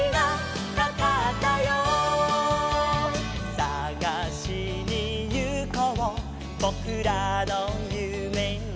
「さがしにゆこうぼくらのゆめを」